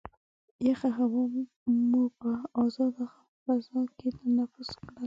یخه هوا مو په ازاده فضا کې تنفس کړل.